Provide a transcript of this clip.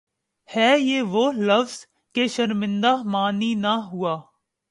ہے یہ وہ لفظ کہ شرمندۂ معنی نہ ہوا